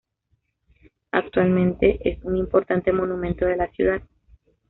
Actualmente es un importante monumento de la ciudad.